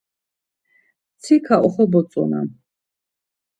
Mtsika oxobotzonam.